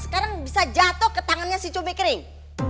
sekarang bisa jatuh ke tangannya si cumi kering